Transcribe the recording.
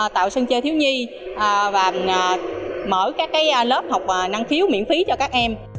tạo sân chơi thiếu nhi và mở các lớp học năng khiếu miễn phí cho các em